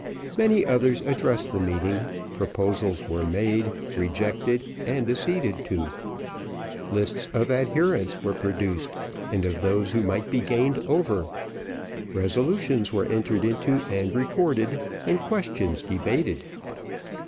Many others addressed the meeting, proposals were made, rejected, and acceded to. Lists of adherents were produced, and of those who might be gained over. Resolutions were entered into and recorded, and questions debated.